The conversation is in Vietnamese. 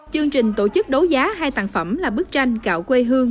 chương trình tổ chức đấu giá hai tạng phẩm là bức tranh cạo quê hương